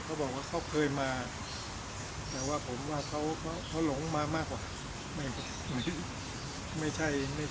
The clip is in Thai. เขาบอกว่าเขาเคยมาแต่ว่าผมว่าเขาเขาหลงมามากกว่า